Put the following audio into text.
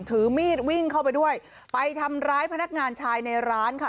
ถือมีดวิ่งเข้าไปด้วยไปทำร้ายพนักงานชายในร้านค่ะ